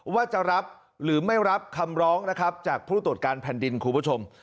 ว่าจะรับหรือไม่รับคำร้องนะครับจากผู้ตรวจการแผ่นดินคุณผู้ชม